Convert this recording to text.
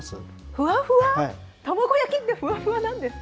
ふわふわ、卵焼きってふわふわなんですか。